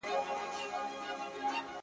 چي به ښكار د كوم يو سر خولې ته نژدې سو،